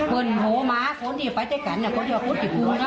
เพื่อนโทม้าคนที่ไปเจ้ากันอ่ะก็จะพูดกี่ครูนะ